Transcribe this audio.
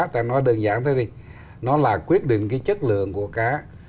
ta nói đơn giản thôi đi nó là quyết định cái chất lượng của cá